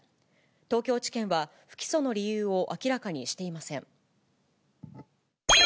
東京地検は、不起訴の理由を明らかにしていません。